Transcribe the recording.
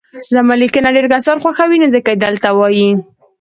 زما ليکنه ډير کسان خوښوي نو ځکه يي دلته وايي